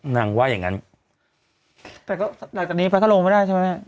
นางว่าอย่างงั้นแต่ก็หลังจากนี้พัทธลงไม่ได้ใช่ไหมแม่